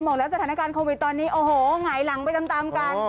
บอกแล้วสถานการณ์โควิดตอนนี้โอ้โหหงายหลังไปตามกัน